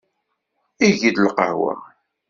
Eg-d lqahwa.